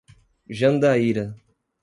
Jandaíra